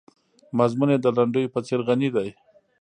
مضمون یې د لنډیو په څېر غني دی.